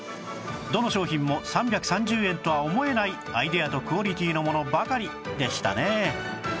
どの商品も３３０円とは思えないアイデアとクオリティーのものばかりでしたね